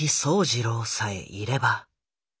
二郎さえいれば。